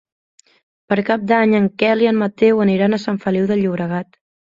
Per Cap d'Any en Quel i en Mateu aniran a Sant Feliu de Llobregat.